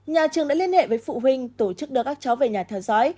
nhà trường đã liên hệ với phụ huynh tổ chức đưa các cháu về nhà theo dõi